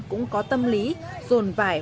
cũng có tâm lý dồn vải